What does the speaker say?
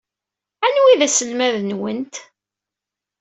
Anwa ay d aselmad-nwent?